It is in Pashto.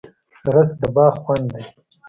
رس د باغ خوند دی